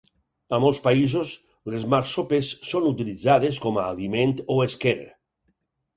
A molts països, les marsopes són utilitzades com a aliment o esquer.